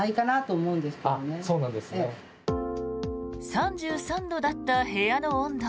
３３度だった部屋の温度。